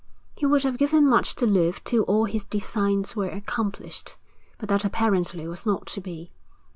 He would have given much to live till all his designs were accomplished, but that apparently was not to be.